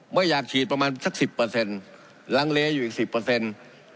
ไม่อยากฉีดประมาณสักสิบเปอร์เซ็นต์ลังเลอยู่อีกสิบเปอร์เซ็นต์